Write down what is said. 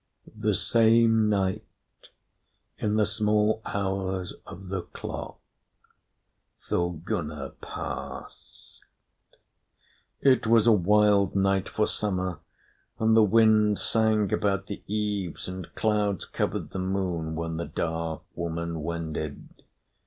The same night, in the small hours of the clock, Thorgunna passed. It was a wild night for summer, and the wind sang about the eaves and clouds covered the moon, when the dark woman wended.